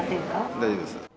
大丈夫です。